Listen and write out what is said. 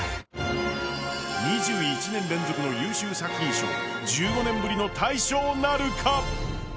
２１年連続の優秀作品賞、１５年ぶりの大賞なるか？